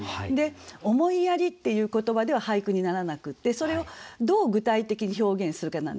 「思いやり」っていう言葉では俳句にならなくってそれをどう具体的に表現するかなんですよね。